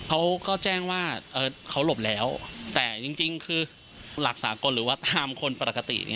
เขาก็แจ้งว่าเขาหลบแล้วแต่จริงคือหลักสากลหรือว่าไทม์คนปกติ